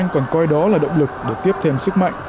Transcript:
còn coi đó là động lực để tiếp thêm sức mạnh